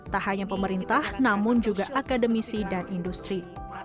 tak hanya pemerintah namun juga akademisi dan industri